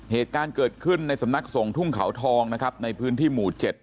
เหตุการณ์เกิดขึ้นในสำนักส่งทุ่งเขาทองนะครับในพื้นที่หมู่๗